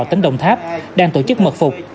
tỉnh đồng tháp đang tổ chức mật phục